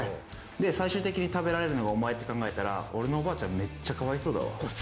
最終的に食べられるのがお前と考えたら、俺のおばあちゃん、めっちゃかわいそうだわ。